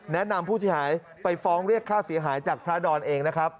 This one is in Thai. นำผู้เสียหายไปฟ้องเรียกค่าเสียหายจากพระดอนเองนะครับ